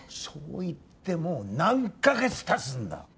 そう言ってもう何か月たつんだ！